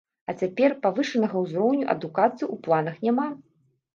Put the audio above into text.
А цяпер павышанага ўзроўню адукацыі ў планах няма.